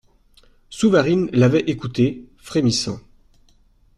Souvarine l'avait écouté, frémissant.